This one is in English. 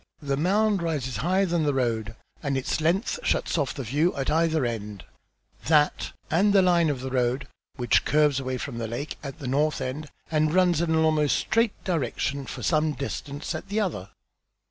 The mound rises higher than the road, and its length shuts off the view at either end, that and the line of the road, which curves away from the lake at the north end, and runs in an almost straight direction for some distance at the other."